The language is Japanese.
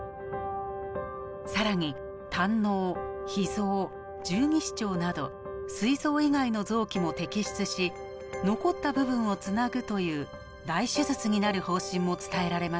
更に胆のう脾臓十二指腸などすい臓以外の臓器も摘出し残った部分をつなぐという大手術になる方針も伝えられました。